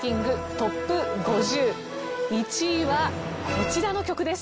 ＴＯＰ５０１位はこちらの曲です。